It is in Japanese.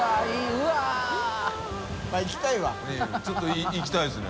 ちょっと行きたいですね。